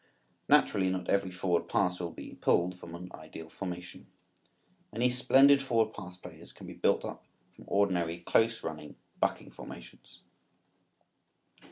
Naturally not every forward pass will be "pulled" from an ideal formation. Many splendid forward pass plays can be built up from ordinary close running, bucking formations.